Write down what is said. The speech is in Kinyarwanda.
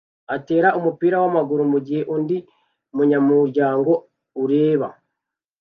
atera umupira wamaguru mugihe undi munyamuryango ureba